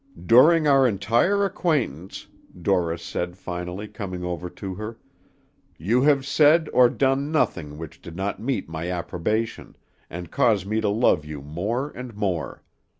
"During our entire acquaintance," Dorris said finally, coming over to her, "you have said or done nothing which did not meet my approbation, and cause me to love you more and more.